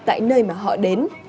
tại nơi mà họ đến